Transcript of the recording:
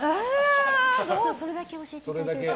それだけ教えていただけると。